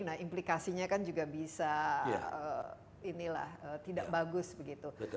nah implikasinya kan juga bisa inilah tidak bagus begitu